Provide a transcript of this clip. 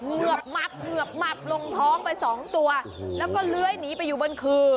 เหือบหมับเหงือบหมับลงท้องไปสองตัวแล้วก็เลื้อยหนีไปอยู่บนคือ